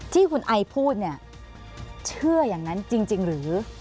ที่คุณไอพูดเนี่ยเชื่ออย่างนั้นจริงหรือ